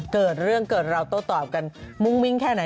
เกิดเรื่องเกิดราวโต้ตอบกันมุ่งมิ้งแค่ไหน